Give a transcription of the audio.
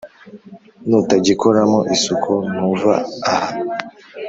Nutagikoramo isuku ntuva aha